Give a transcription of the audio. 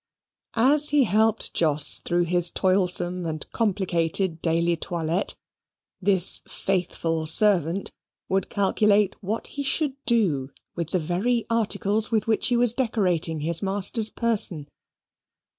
As he helped Jos through his toilsome and complicated daily toilette, this faithful servant would calculate what he should do with the very articles with which he was decorating his master's person.